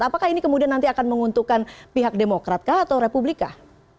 apakah ini kemudian nanti akan menguntungkan pihak demokrat kah atau republik kah